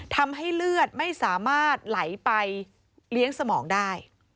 ทำให้เลือดไม่สามารถไหลไปเลี้ยงสมองได้